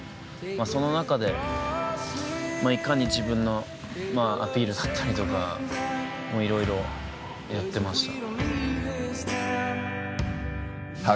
その中でいかに自分のアピールだったりとかもいろいろやってました。